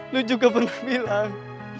lu juga pernah bilang